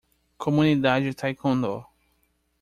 Comunidade Taekwondo